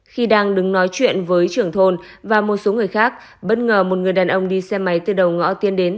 khi đang đứng nói chuyện với trưởng thôn và một số người khác bất ngờ một người đàn ông đi xe máy từ đầu ngõ tiên đến